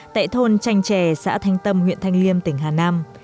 tại thôn tranh trè xã thanh tâm huyện thanh liêm tỉnh hà nam